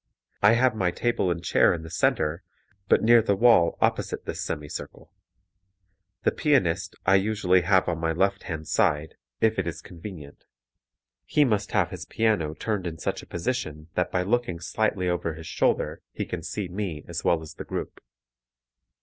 I have my table and chair in the center, but near the wall opposite this semi circle. The pianist I usually have on my left hand side, if it is convenient. He must have his piano turned in such a position that by looking slightly over his shoulder he can see me as well as the group.